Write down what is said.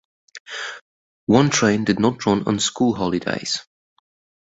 One train did not run on school holidays.